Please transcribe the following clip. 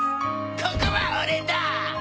ここは俺だ！